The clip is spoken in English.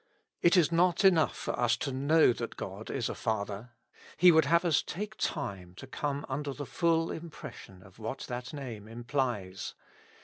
It is not enough for us to know that God is a Father : He would have us take time to come under the full impression of what that name implies.